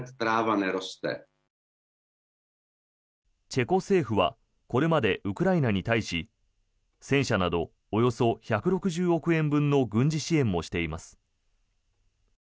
チェコ政府はこれまでウクライナに対し戦車などおよそ１６０億円分の軍事支援もしています。